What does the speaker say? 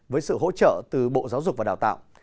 với sự hỗ trợ từ bộ giáo dục và đào tạo